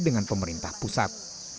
dengan pemerintah pusat